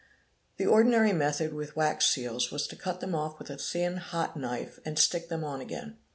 The ordinary method with wax seals was to cut them off with a thin, hot knife and stick them on again.